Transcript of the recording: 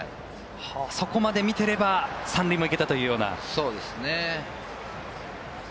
そこまで見てれば３塁も行けたというような。